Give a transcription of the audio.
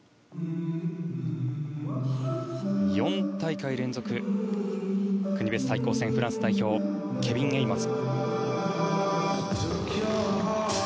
４大会連続、国別対抗戦フランス代表ケビン・エイモズ。